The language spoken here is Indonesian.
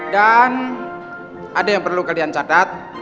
dan ada yang perlu kalian catat